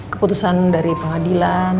keputusan dari pengadilan